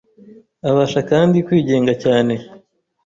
abasha kandi kwigenga cyane